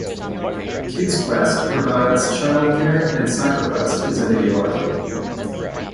Kids Quest provides childcare and CyberQuest is a video arcade.